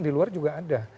di luar juga ada